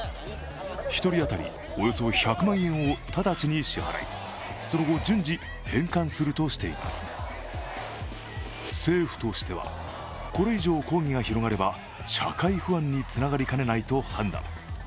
１人当たりおよそ１００万円を直ちに支払い、その後、順次返還するとしています政府としては、これ以上、抗議が広がれば社会不安につながりかねないと判断。